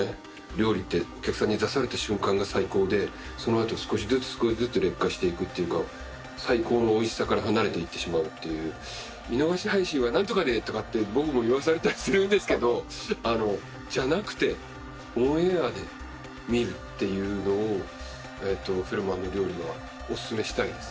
料理ってお客さんに出された瞬間が最高でそのあと少しずつ少しずつ劣化していくっていうか最高のおいしさから離れていってしまうっていう「見逃し配信は何とかで」とかって僕も言わされたりするんですけどじゃなくてオンエアで見るっていうのを「フェルマーの料理」はオススメしたいです